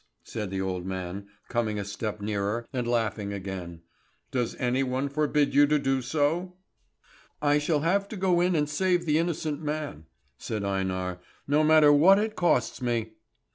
said the old man, coming a step nearer, and laughing again. "Does any one forbid you to do so?" "I shall have to go in and save the innocent man," said Einar, "no matter what it costs me."